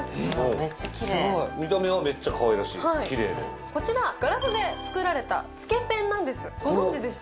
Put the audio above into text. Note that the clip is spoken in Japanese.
めっちゃきれい見た目はめっちゃかわいらしいきれいでこちらガラスで作られたつけペンなんですご存じでした？